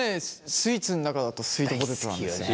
スイーツの中だとスイートポテトなんだよね。